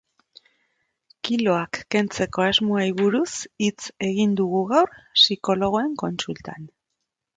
Kiloak kentzeko asmoei buruz hitz egin dugu gaur psikologoen kontsultan.